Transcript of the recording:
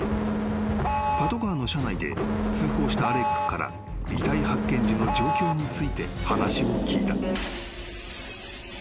［パトカーの車内で通報したアレックから遺体発見時の状況について話を聴いた］